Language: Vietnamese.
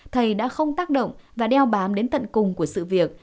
thầy đã không tác động và đeo bám đến tận cùng của sự việc